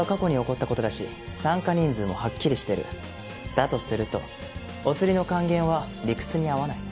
だとするとお釣りの還元は理屈に合わない。